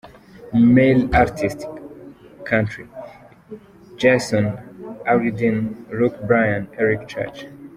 Male artist, country: Jason Aldean, Luke Bryan, Eric Church.